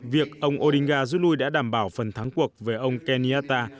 việc ông odingar rút lui đã đảm bảo phần thắng cuộc về ông kenyatta